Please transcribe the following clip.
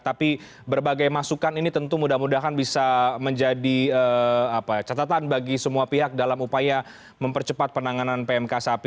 tapi berbagai masukan ini tentu mudah mudahan bisa menjadi catatan bagi semua pihak dalam upaya mempercepat penanganan pmk sapi